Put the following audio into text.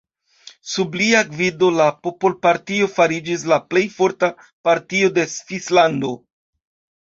Sub lia gvido la Popolpartio fariĝis la plej forta partio de Svislando.